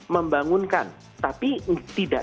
membangunkan tapi tidak